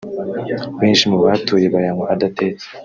Benshi mu bahatuye bayanywa adatetse